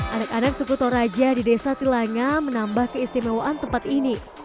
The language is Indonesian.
anak anak suku toraja di desa tilanga menambah keistimewaan tempat ini